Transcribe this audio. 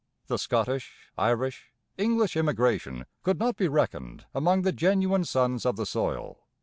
The Scottish, Irish, English immigration could not be reckoned among the genuine sons of the soil.